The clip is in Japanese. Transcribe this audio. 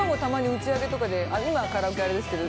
今はカラオケあれですけど。